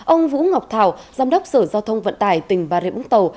ông vũ ngọc thảo giám đốc sở giao thông vận tải tỉnh bà rịa vũng tàu